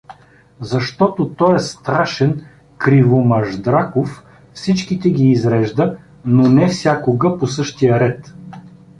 Защото тоя страшен Кривомаждраков всичките ги изрежда, но не всякога по същия ред.